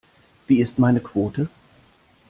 Wie ist meine Quote?